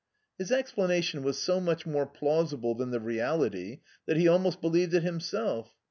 His explanation was so much more plausible than the reality that he almost believed it himself.